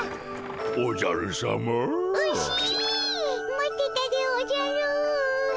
待ってたでおじゃる。